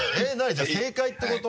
じゃあ正解ってこと？